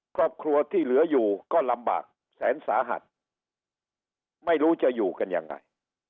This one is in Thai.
ครอบครัวที่เหลืออยู่ก็ลำบากแสนสาหัสไม่รู้จะอยู่กันยังไง